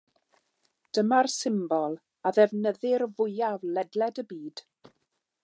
Dyma'r symbol a ddefnyddir fwyaf ledled y byd.